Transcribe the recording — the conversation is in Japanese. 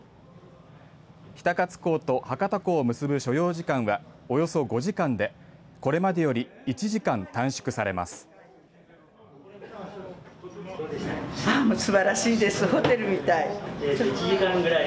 比田勝港と博多港を結ぶ所要時間はおよそ５時間でこれまでより１時間短縮されます。